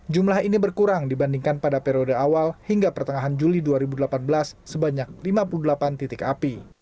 jumlah ini berkurang dibandingkan pada periode awal hingga pertengahan juli dua ribu delapan belas sebanyak lima puluh delapan titik api